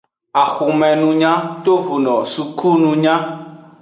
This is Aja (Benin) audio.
Axomenunya tovono sukununya.